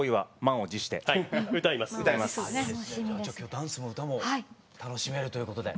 ダンスも歌も楽しめるということで。